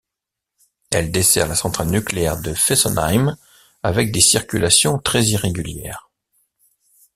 Elle dessert la centrale nucléaire de Fessenheim, avec des circulations très irrégulières.